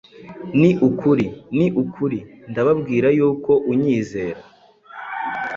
Ni ukuri, ni ukuri, ndababwira yuko unyizera,